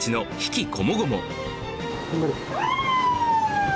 頑張れ。